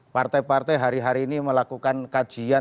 partai partai hari hari ini melakukan kajian terhadap cakar